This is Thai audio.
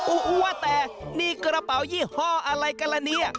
ว่าแต่นี่กระเป๋ายี่ห้ออะไรกันละเนี่ย